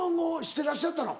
てらっしゃったの？